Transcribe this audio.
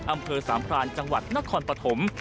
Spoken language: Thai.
อำเภอสามพรานจังหวัดนครปฐม